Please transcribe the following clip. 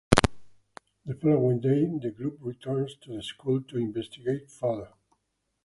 The following day, the group returns to the school to investigate further.